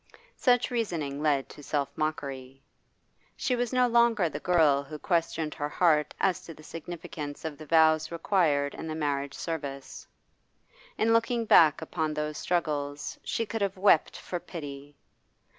Such reasoning led to self mockery. She was no longer the girl who questioned her heart as to the significance of the vows required in the marriage service; in looking back upon those struggles she could have wept for pity.